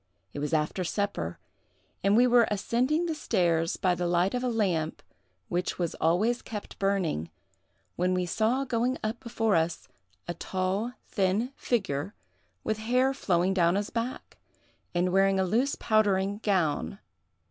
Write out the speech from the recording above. It was after supper, and we were ascending the stairs by the light of a lamp which was always kept burning, when we saw going up before us a tall, thin figure, with hair flowing down his back, and wearing a loose powdering gown.